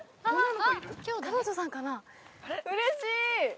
あ‼うれしい！